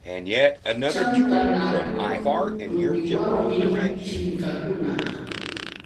Chamqanakurun rumiwanmi shinkakuna.